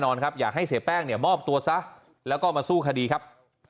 ครับอยากให้เสียแป้งเนี่ยมอบตัวซะแล้วก็มาสู้คดีครับ